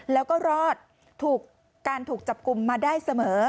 แล้วก็รอดถูกการถูกจับกลุ่มมาได้เสมอ